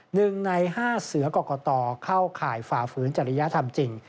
หนึ่งในห้าเสือกรกตเข้าข่ายฝ่าฝืนจริยธรรมจริง